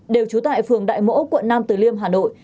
đều trú tại phường đại mỗ quận nam từ liêm hà nội